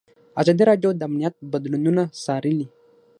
ازادي راډیو د امنیت بدلونونه څارلي.